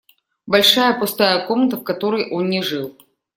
Большая пустая комната, в которой он не жил.